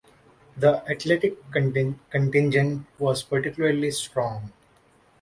The athletics contingent was particularly strong.